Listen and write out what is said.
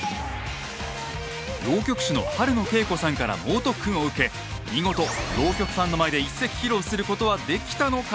浪曲師の春野恵子さんから猛特訓を受け見事浪曲ファンの前で１席披露することはできたのか？